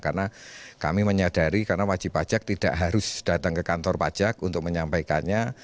karena kami menyadari wajib pajak tidak harus datang ke kantor pajak untuk menyampaikannya